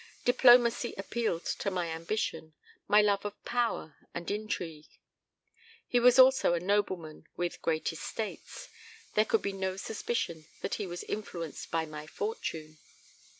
Diplomacy appealed to my ambition, my love of power and intrigue. He was also a nobleman with great estates; there could be no suspicion that he was influenced by my fortune.